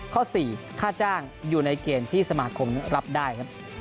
ข้อ๔ค่าจ้างอยู่ในเกณฑ์ที่สมาคมรับได้ครับ